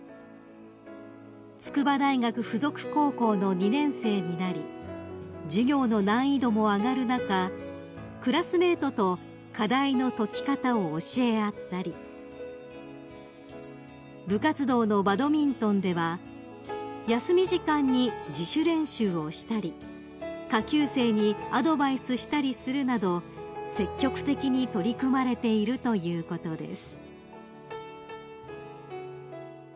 ［筑波大学附属高校の２年生になり授業の難易度も上がる中クラスメートと課題の解き方を教え合ったり部活動のバドミントンでは休み時間に自主練習をしたり下級生にアドバイスしたりするなど積極的に取り組まれているということです］